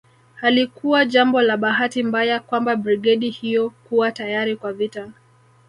Halikuwa jambo la bahati mbaya kwamba brigedi hiyo kuwa tayari kwa vita